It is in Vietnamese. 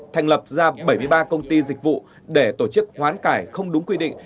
thành lập ra bảy mươi ba công ty dịch vụ để tổ chức hoán cải không đúng quy định